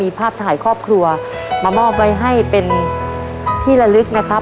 มีภาพถ่ายครอบครัวมามอบไว้ให้เป็นที่ละลึกนะครับ